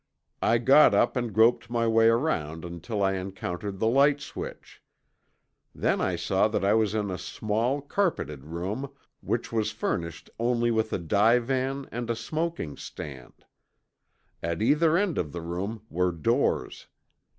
I got up and groped my way around until I encountered the light switch. Then I saw that I was in a small carpeted room, which was furnished only with a divan and a smoking stand. At either end of the room were doors.